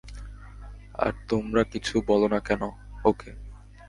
আর তোমরা কিছু বলোও না ওকে।